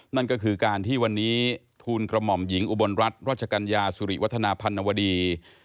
นั่นก็คือการที่วันนี้ทูลกระหม่อมหญิงอุบลรัฐรัชกัญญาสุริวัฒนาพันวดี